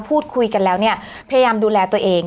พูดคุยกันแล้วเนี่ยพยายามดูแลตัวเอง